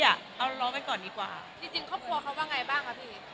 อะเอารอไว้ก่อนดีกว่าจริงจริงครอบครัวเขาว่าไงบ้างครับพี่